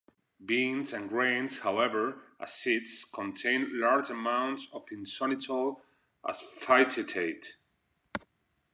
Beans and grains, however, as seeds, contain large amounts of inositol as phytate.